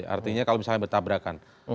artinya kalau misalnya bertabrakan